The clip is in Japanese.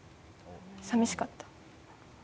さみしかった。